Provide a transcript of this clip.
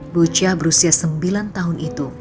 bu cah berusia sembilan tahun itu